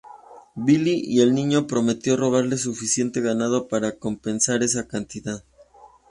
Billy el Niño prometió robarle suficiente ganado para compensar esa cantidad.